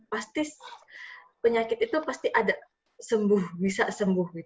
pasti penyakit itu pasti ada sembuh bisa sembuh